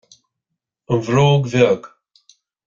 An bhróg bheag